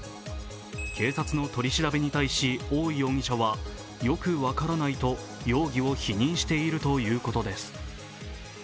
警察の取り調べに対し、大井容疑者はよく分からないと容疑を否認しているということです。